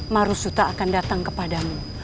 marusuta akan datang kepadamu